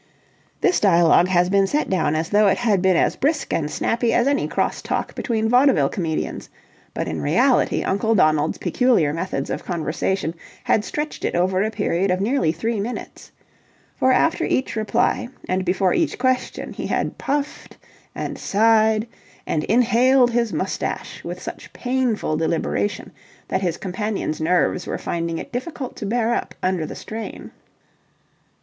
This dialogue has been set down as though it had been as brisk and snappy as any cross talk between vaudeville comedians, but in reality Uncle Donald's peculiar methods of conversation had stretched it over a period of nearly three minutes: for after each reply and before each question he had puffed and sighed and inhaled his moustache with such painful deliberation that his companion's nerves were finding it difficult to bear up under the strain.